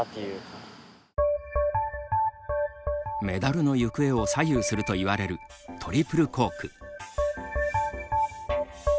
メダルの行方を左右するといわれるトリプルコーク。